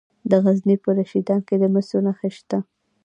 د غزني په رشیدان کې د مسو نښې شته.